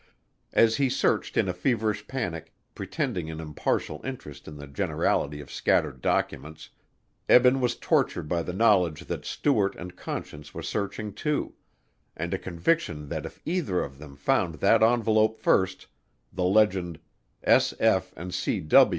As he searched in a feverish panic, pretending an impartial interest in the generality of scattered documents, Eben was tortured by the knowledge that Stuart and Conscience were searching, too, and a conviction that if either of them found that envelope first, the legend "S. F. & C.